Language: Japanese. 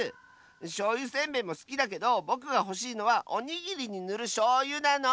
しょうゆせんべいもすきだけどぼくがほしいのはおにぎりにぬるしょうゆなの！